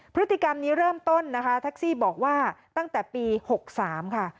พฤติกรรมนี้เริ่มต้นนะคะแท็กซี่บอกว่าตั้งแต่ปี๖๓ค่ะ